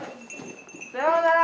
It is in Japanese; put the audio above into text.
さようなら！